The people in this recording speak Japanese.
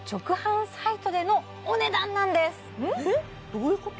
どういうこと？